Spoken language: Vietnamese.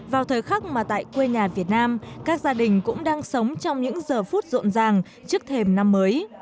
vào thời khắc mà tại quê nhà việt nam các gia đình cũng đang sống trong những giờ phút rộn ràng trước thềm năm mới